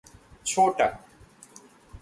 छोटा